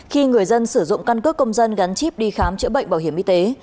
khi người dân sử dụng căn cước công dân gắn chip đi khám chữa bệnh bảo hiểm y tế